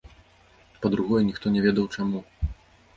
Па-другое, ніхто не ведаў чаму.